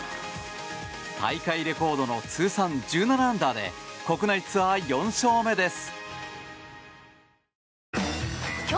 大会レコードの通算１７アンダーで国内ツアー４勝目です。